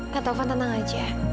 kak taufan tenang aja